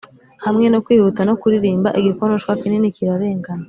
hamwe no kwihuta no kuririmba igikonoshwa kinini kirarengana;